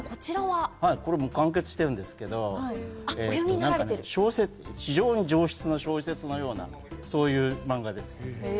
これ、完結してるんですけれども、非常に上質な小説のようなそういうマンガです。